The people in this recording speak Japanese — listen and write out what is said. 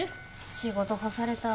仕事干された。